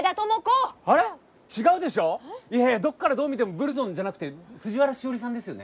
いやいやどっからどう見てもブルゾンじゃなくて藤原しおりさんですよね？